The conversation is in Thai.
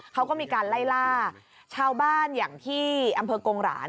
เขาก็มีการไล่ล่าชาวบ้านอย่างที่อำเภอกงหลาน